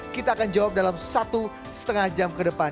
kita akan jawab dalam satu setengah jam ke depan